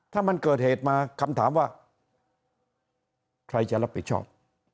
ถ้ามันเกิดเหตุมาคำถามว่าใครจะรับผิดชอบ